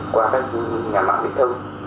qua các nhà mạng bình thông